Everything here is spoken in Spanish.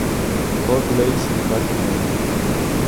Old Lace, sin embargo, muere.